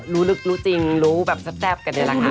รู้ลึกรู้จริงรู้แบบแซ่บกันนี่แหละค่ะ